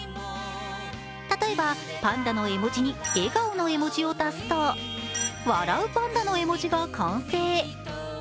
例えばパンダの絵文字に笑顔の絵文字を足すと笑うパンダの絵文字が完成。